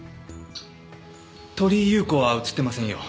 鳥居優子は映ってませんよ。